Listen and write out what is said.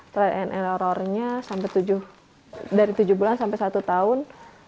trial and error nya dari tujuh bulan sampai satu tahun